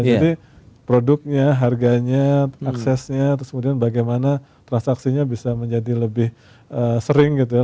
jadi produknya harganya aksesnya terus kemudian bagaimana transaksinya bisa menjadi lebih sering gitu ya